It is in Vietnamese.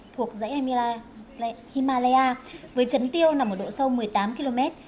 thuộc dãy amila himalaya với chấn tiêu nằm ở độ sâu một mươi tám km